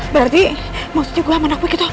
berarti maksudnya gue sama anak gue gitu